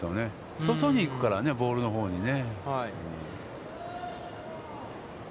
外に行くからね、ボールのほうにね。